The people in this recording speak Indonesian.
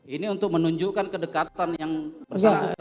ini untuk menunjukkan kedekatan yang bersangkutan